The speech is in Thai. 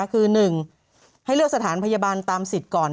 คือ๑ให้เลือกสถานพยาบาลตามสิทธิ์ก่อน